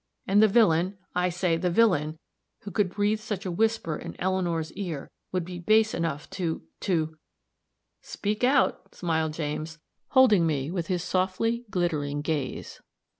And the villain, I say the villain, who could breathe such a whisper in Eleanor's ear would be base enough to to " "Speak out," smiled James, holding me with his softly glittering gaze.